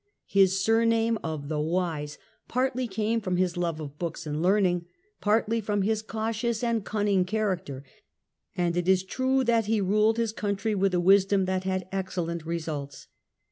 His surname of "the Wise" partly came from his love of books and learning, partly from his cautious and cunning char acter ; and it is true that he ruled his country with a wisdom that had excellent results.